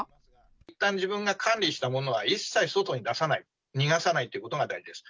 いったん自分が管理したものは一切外に出さない、逃がさないということが大事です。